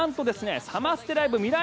サマステライブ未来